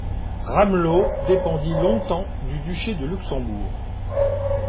Ramelot dépendit longtemps du Duché de Luxembourg.